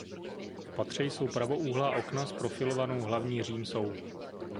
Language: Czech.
V patře jsou pravoúhlá okna s profilovanou hlavní římsou.